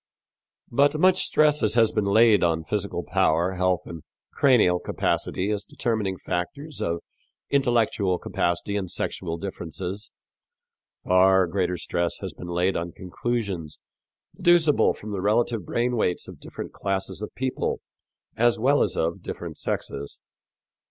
" But much stress as has been laid on physical power, health and cranial capacity, as determining factors of intellectual capacity and sexual differences, far greater stress has been laid on conclusions deducible from the relative brain weights of different classes of people as well as of different sexes.